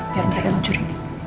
biar mereka lanjut ini